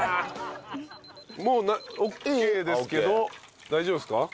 もうオッケーですけど大丈夫ですか？